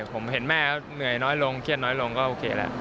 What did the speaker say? ผมเห็นแม่เหนื่อยน้อยลงเครียดน้อยลงก็โอเคแล้ว